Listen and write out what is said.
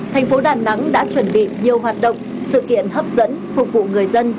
thành phố đà nẵng đã chuẩn bị nhiều hoạt động sự kiện hấp dẫn phục vụ người dân